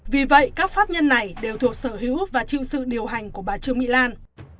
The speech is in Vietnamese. vì vậy các pháp nhân này đều thuộc sở hữu và chịu sự điều hành của bà trương mỹ lan